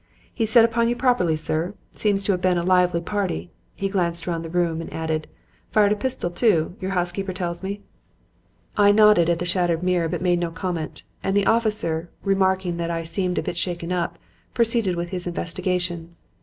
'He set upon you properly, sir. Seems to have been a lively party.' He glanced round the room and added: 'Fired a pistol, too, your housekeeper tells me.' "I nodded at the shattered mirror but made no comment, and the officer, remarking that I 'seemed a bit shaken up,' proceeded with his investigations.